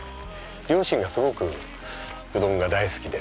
両親がすごくうどんが大好きで。